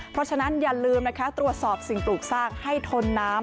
เพราะฉะนั้นอย่าลืมนะคะตรวจสอบสิ่งปลูกสร้างให้ทนน้ำ